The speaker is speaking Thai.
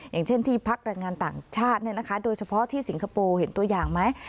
อย่างเช่นที่พักแรงงานต่างชาติโดยเฉพาะที่สิงคโปร์เห็นตัวอย่างไหม